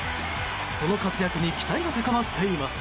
その活躍に期待が高まっています。